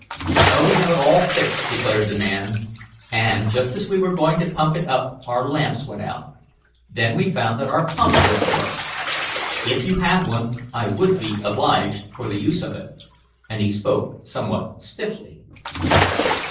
"Oh, we have it all fixed," declared the man, "and, just as we were going to pump it up out lamps went out. Then we found that our pump wouldn't work. If you have one I would be obliged for the use of it," and he spoke somewhat stiffly.